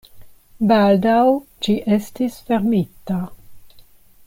Baldaŭ ĝi estis fermita.